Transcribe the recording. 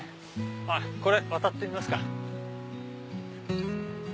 これ渡ってみますか。